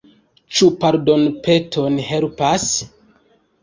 Ĉu pardonpeton helpas?